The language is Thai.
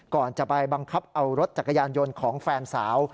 ก่อนจะไปบังคับเอารถจักรยานยนต์ของแฟนสาว